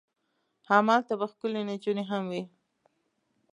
همالته به ښکلې نجونې هم وي.